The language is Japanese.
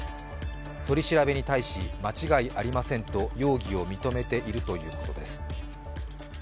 取り調べに対し、間違いありませんと容疑を認めているということです。